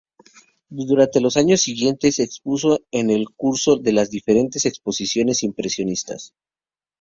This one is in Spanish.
Durante los años siguientes, expuso en el curso de las diferentes exposiciones impresionistas.